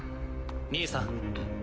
兄さん。